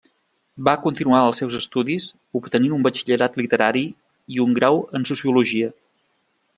Va continuar els seus estudis, obtenint un batxillerat literari i un grau en sociologia.